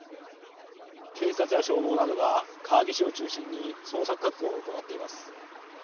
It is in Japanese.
警察や消防などが川岸を中心に捜索活動を行っています。